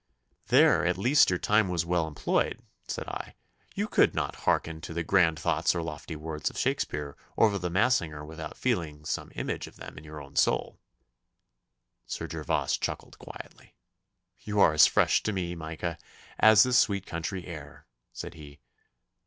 'There, at least, your time was well employed,' said I; 'you could not hearken to the grand thoughts or lofty words of Shakespeare or of Massinger without feeling some image of them in your own soul.' Sir Gervas chuckled quietly. 'You are as fresh to me, Micah, as this sweet country air,' said he.